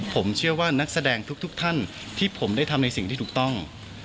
ผมเชื่อว่านักแสดงทุกท่านที่ผมได้ทำในสิ่งที่ถูกต้อง